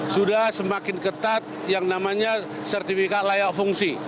sudah semakin ketat yang namanya sertifikat layak fungsi